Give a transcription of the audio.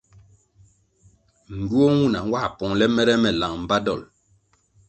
Ngywuoh nwuna nwā pongʼle mere me lang mbpa dolʼ.